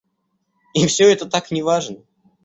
И всё это так неважно.